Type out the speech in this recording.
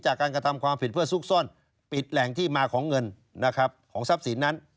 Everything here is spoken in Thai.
จากการกระทำความผิดเพื่อซุกซ่อนปิดแหล่งที่มาของเงินนะครับของทรัพย์สินนั้น